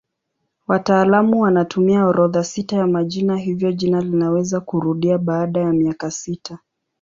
Wataalamu wanatumia orodha sita ya majina hivyo jina linaweza kurudia baada ya miaka sita.